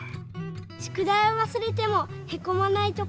しゅくだいをわすれてもへこまないところです。